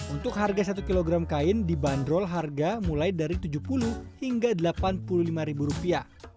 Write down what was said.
untuk harga satu kilogram kain dibanderol harga mulai dari tujuh puluh hingga delapan puluh lima ribu rupiah